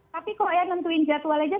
tapi kalau nentuin jadwal saja